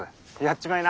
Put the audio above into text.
ちまいな。